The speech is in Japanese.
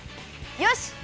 よし！